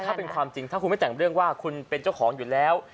ถ้าเป็นความจริงถ้าคุณไม่แต่งเรื่องว่าคุณเป็นเจ้าของอยู่แล้ว